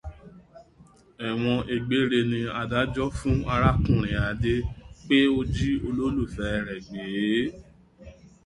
Ẹ̀wọ̀n gbére ni adájọ́ fún arákùnrin Adé pé ó jí olólùfẹ́ rẹ̀ gbé.